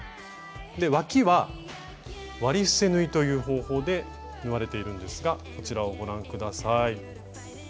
わきは「割り伏せ縫い」という方法で縫われているんですがこちらをご覧下さい。